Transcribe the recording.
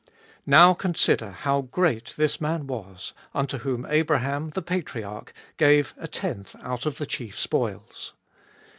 Now consider how great this man was, unto whom Abraham, the patriarch, gave a tenth out of the chief spoils.